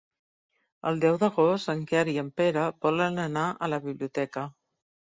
El deu d'agost en Quer i en Pere volen anar a la biblioteca.